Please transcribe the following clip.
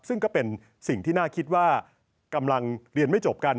ซึ่งก็เป็นสิ่งที่น่าคิดว่ากำลังเรียนไม่จบกัน